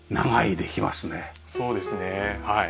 そうですねはい。